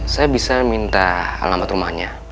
saya bisa minta alamat rumahnya